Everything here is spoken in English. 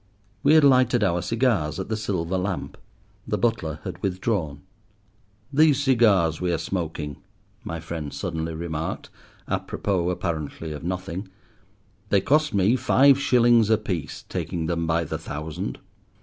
We had lighted our cigars at the silver lamp. The butler had withdrawn. "These cigars we are smoking," my friend suddenly remarked, à propos apparently of nothing, "they cost me five shillings apiece, taking them by the thousand."